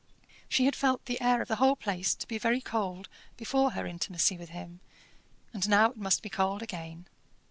She had felt the air of the whole place to be very cold before her intimacy with him, and now it must be cold again.